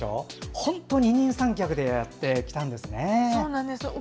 本当、二人三脚でやってきたんですね。